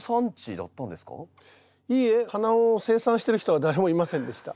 いえ花を生産してる人は誰もいませんでした。